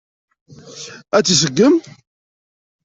Ad t-iseggem?